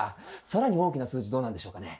更に大きな数字どうなんでしょうかね。